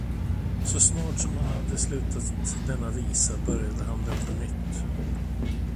Och så snart som han hade slutat denna visa, började han den på nytt.